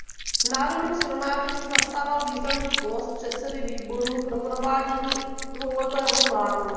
V Národním shromáždění zastával významný post předsedy výboru pro provádění dvouletého plánu.